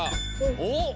おっ！